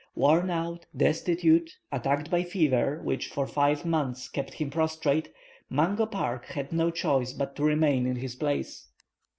Worn out, destitute, attacked by fever, which for five months kept him prostrate, Mungo Park had no choice but to remain in this place.